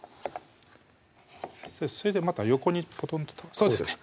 それでまた横にポトンと倒すそうですね